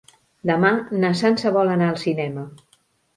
Demà na Sança vol anar al cinema.